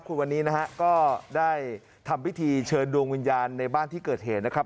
คุณวันนี้นะฮะก็ได้ทำพิธีเชิญดวงวิญญาณในบ้านที่เกิดเหตุนะครับ